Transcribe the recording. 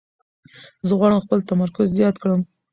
زه غواړم خپل تمرکز زیات کړم.